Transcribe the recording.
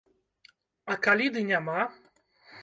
А калі ды няма?